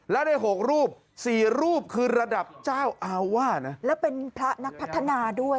และใน๖รูป๔รูปคือระดับเจ้าอาวาสนะแล้วเป็นพระนักพัฒนาด้วย